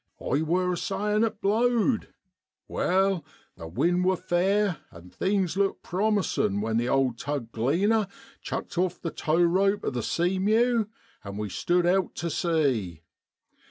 I wor a sayin' it blowed. Wai, the wind wor fair, an' things looked promisin' when the old tug Gleaner chucked off the tow rope of the Sea mew, and we stood out t' sea.